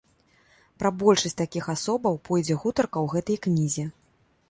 Пра большасць такіх асобаў пойдзе гутарка ў гэтай кнізе.